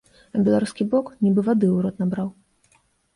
А беларускі бок нібы вады ў рот набраў!